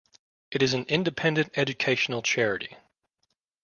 It is an independent educational charity.